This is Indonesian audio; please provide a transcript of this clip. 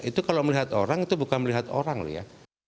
itu kalau melihat orang itu bukan melihat orang loh ya